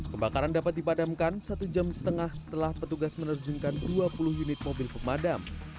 kebakaran dapat dipadamkan satu jam setengah setelah petugas menerjunkan dua puluh unit mobil pemadam